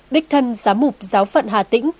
đích thân giám mục giáo phận hà tĩnh